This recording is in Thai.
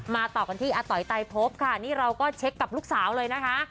ต่อกันที่อาต๋อยไตพบค่ะนี่เราก็เช็คกับลูกสาวเลยนะคะ